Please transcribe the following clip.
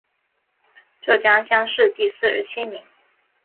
浙江乡试第四十七名。